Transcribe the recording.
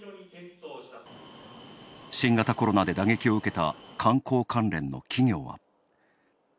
新型コロナで打撃を受けた観光関連の企業は。